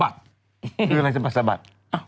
คืออะไรสะบัด